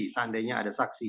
seandainya ada saksi